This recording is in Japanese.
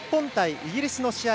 イギリスの試合。